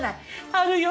あるよ